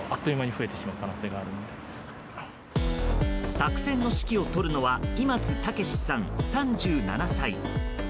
作戦の指揮を執るのは今津健志さん、３７歳。